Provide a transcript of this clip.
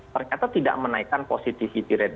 ternyata tidak menaikkan positivity rate